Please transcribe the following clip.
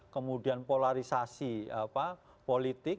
kemudian polarisasi apa politik